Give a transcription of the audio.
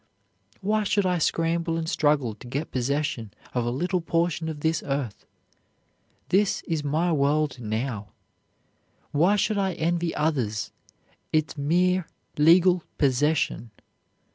Why should I scramble and struggle to get possession of a little portion of this earth? This is my world now; why should I envy others its mere legal possession?